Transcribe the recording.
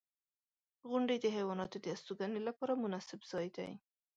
• غونډۍ د حیواناتو د استوګنې لپاره مناسب ځای دی.